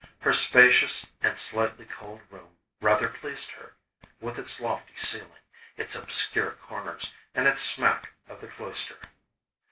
Her spacious, and slightly cold room rather pleased her, with its lofty ceiling, its obscure corners, and its smack of the cloister.